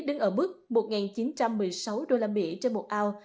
đứng ở mức một chín trăm một mươi sáu usd trên một ao